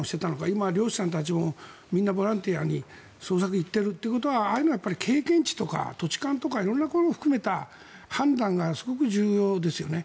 今、漁師さんたちもみんなボランティアに捜索に行ってるということはああいうのは経験値とか土地勘とか色んなことを含めた判断がすごく重要ですよね。